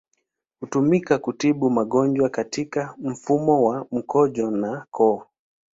Hutumika kutibu magonjwa katika mfumo wa mkojo na koo.